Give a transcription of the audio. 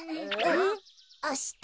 あした。